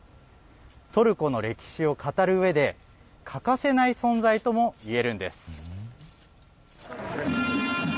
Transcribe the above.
トルコの歴史を語るうえで欠かせない存在ともいえるんです。